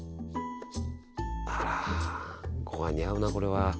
あらごはんに合うなこれは。